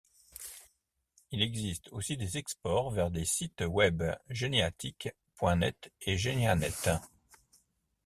Il existe aussi des exports vers les sites web Geneatique.net et Geneanet.